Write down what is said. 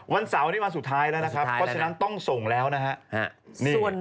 เสาร์นี้วันสุดท้ายแล้วนะครับเพราะฉะนั้นต้องส่งแล้วนะฮะ